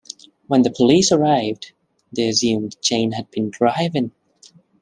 When the police arrived, they assumed Jane had been driving.